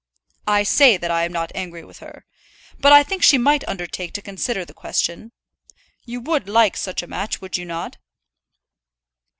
"I say that I am not angry with her. But I think she might undertake to consider the question. You would like such a match, would you not?"